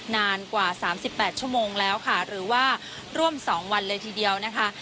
นานกว่า๓๘ชั่วโมงแล้วค่ะหรือว่าร่วม๒วันเลยทีเดียวนะคะ